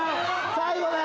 最後だよ